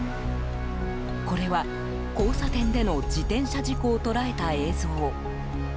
これは、交差点での自転車事故を捉えた映像。